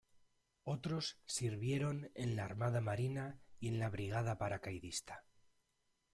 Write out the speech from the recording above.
Otros sirvieron en la Armada|Marina y en la Brigada Paracaidista.